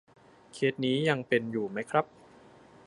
เคสนี้ยังเป็นอยู่ไหมครับ ?